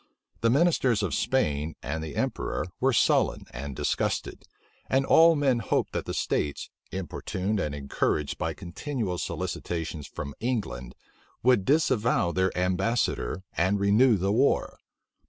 The ministers of Spain and the emperor were sullen and disgusted; and all men hoped that the states, importuned and encouraged by continual solicitations from England, would disavow their ambassador, and renew the war.